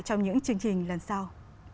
trong những chương trình lần sau